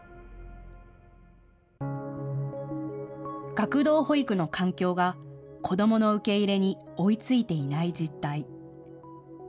学童保育の環境が子どもの受け入れに追いついていない実態。